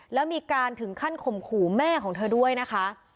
แล้วมีการถึงขั้นข่มขู่แม่ของเธอด้วยนะคะ